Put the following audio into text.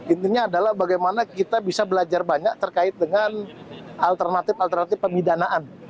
intinya adalah bagaimana kita bisa belajar banyak terkait dengan alternatif alternatif pemidanaan